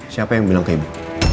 siapa yang bilang kayak ibu